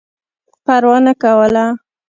پروا نه کوله.